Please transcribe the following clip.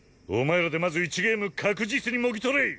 お前らでまず１ゲーム確実にもぎ取れ！